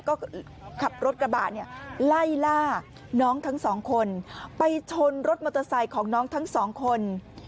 ก็ขับรถกระบะเนี่ยไล่ล่าน้องทั้งสองคนไปชนรถมอเตอร์ไซค์ของน้องทั้งสองคน